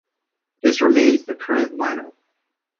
This remains the current lineup.